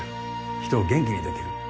人を元気にできる。